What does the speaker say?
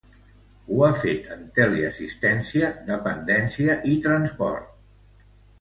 Ho ha fet en teleassistència, dependència i transport.